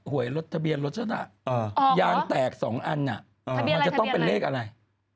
วยรถทะเบียนรถฉันยางแตก๒อันมันจะต้องเป็นเลขอะไร